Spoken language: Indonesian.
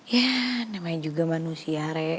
ya namanya juga manusia rek